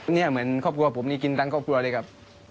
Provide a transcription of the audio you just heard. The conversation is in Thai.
เนี่ยเหมือนครอบครัวผมนี่กินทั้งครอบครัวเลยครับ